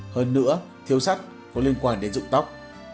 hơn nữa thiếu sắt có liên quan đến dụng tóc